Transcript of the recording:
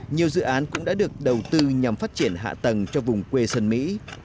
nhiều dự án cũng đã được đầu tư nhằm phát triển hạ tầng cho vùng quê sơn mỹ